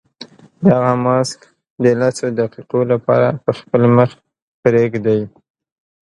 دغه ماسک د لسو دقیقو لپاره په خپل مخ پرېږدئ.